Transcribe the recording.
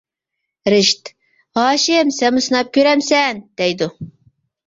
رىشىت: ھاشىم سەنمۇ سىناپ كۆرەمسەن دەيدۇ.